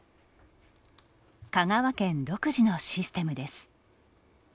香川県独自のシステ厶です。